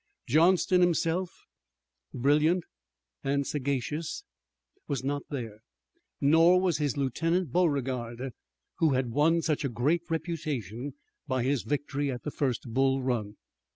Johnston himself, brilliant and sagacious, was not there, nor was his lieutenant, Beauregard, who had won such a great reputation by his victory at the first Bull Run.